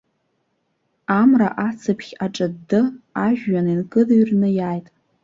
Амра ацыԥхь аҿыдды ажәҩан инкыдҩырны иааит.